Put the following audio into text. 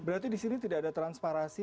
berarti di sini tidak ada transparansi